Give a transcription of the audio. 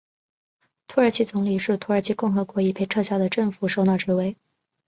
土耳其总理是土耳其共和国已被撤销的政府首脑职位。